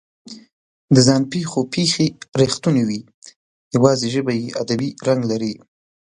د ځان پېښو پېښې رښتونې وي، یواځې ژبه یې ادبي رنګ لري.